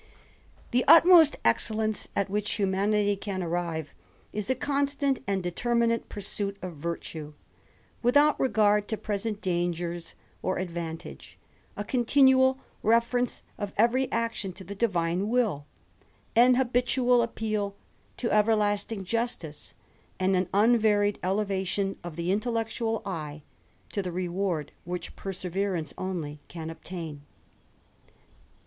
~ The utmost excellence at which huml*^ can arrive, ia a Constant and determinate pursuit of V fc, without regard to present dangers or advantage; a cc fmal reference of ^^ery action to the divine will ; an ''■hitual appeal to fev^Iasting justice ; and an unvarie(if4ievation of the intelleclual eye to the reward which persyj rance only can obtain.